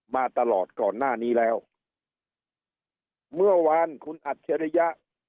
มาตลอดก่อนหน้านี้แล้วเมื่อวานคุณอัจฉริยะ